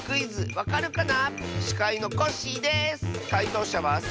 わかるかな？